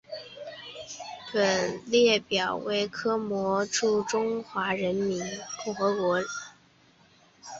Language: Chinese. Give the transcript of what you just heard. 本列表为科摩罗驻中华人民共和国历任大使名录。